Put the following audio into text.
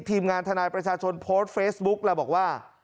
ทีมงานทนายประชาชนโพสต์เฟซบุ๊กแล้วบอกว่า